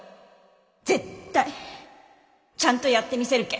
絶対ちゃんとやってみせるけん。